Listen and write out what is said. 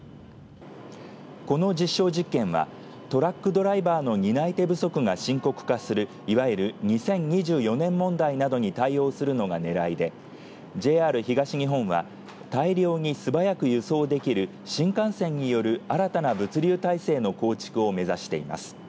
この実証実験はトラックドライバーの担い手不足が深刻化するいわゆる２０２４年問題などに対応するのがねらいでＪＲ東日本は大量に素早く輸送できる新幹線による新たな物流体制の構築を目指しています。